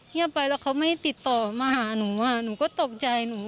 เงียบไปแล้วเขาไม่ติดต่อมาหาหนูหนูก็ตกใจ